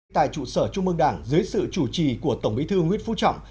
tại trụ sở trung mương đảng dưới sự chủ trì của tổng bí thư nguyễn phú trọng